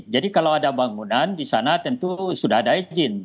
jadi kalau ada bangunan di sana tentu sudah ada izin